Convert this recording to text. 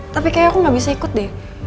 tapi kayaknya aku gak bisa ikut deh